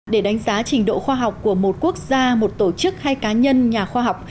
để đánh giá trình độ khoa học của một quốc gia một tổ chức hay cá nhân nhà khoa học